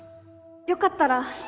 よかったら